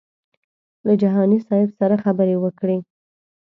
له جهاني صاحب سره خبرې وکړې.